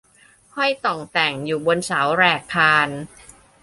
ห้อยต่องแต่งอยู่บนเสาแหรกคาน